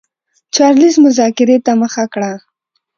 چارلېز مذاکرې ته مخه کړه.